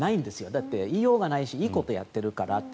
だって言いようがないしいいことやってるからって。